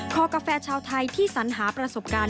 กาแฟชาวไทยที่สัญหาประสบการณ์